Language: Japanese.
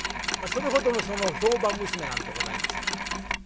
それほどの評判娘なんでございますが。